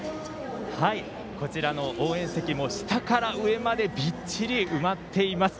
こちらの応援席も下から上までびっちり、埋まっています。